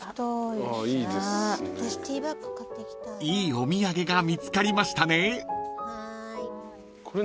［いいお土産が見つかりましたね］